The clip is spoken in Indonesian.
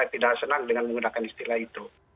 tidak senang dengan menggunakan istilah itu